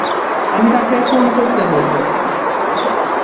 আমি তাকে ফোন করতে বলবো।